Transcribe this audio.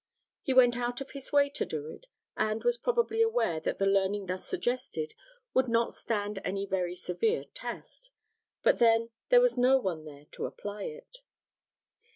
He went out of his way to do it, and was probably aware that the learning thus suggested would not stand any very severe test; but then there was no one there to apply it.